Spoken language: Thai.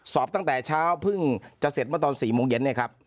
ตั้งแต่เช้าเพิ่งจะเสร็จเมื่อตอน๔โมงเย็นเนี่ยครับ